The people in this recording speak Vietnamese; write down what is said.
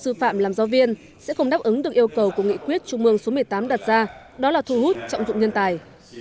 sư phạm làm giáo viên sẽ không đáp ứng được yêu cầu của nghị quyết trung mương số một mươi tám đặt ra đó là thu hút trọng dụng nhân tài